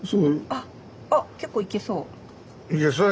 あ結構いけそう。